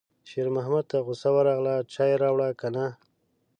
شېرمحمد ته غوسه ورغله: چای راوړې که نه